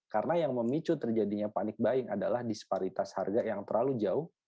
karena yang memicu terjadinya panik buying adalah disparitas harga yang terlalu jauh